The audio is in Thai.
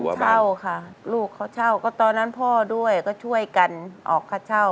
เช่าค่ะลูกเขาเช่าก็ตอนนั้นพ่อด้วยก็ช่วยกันออกค่าเช่า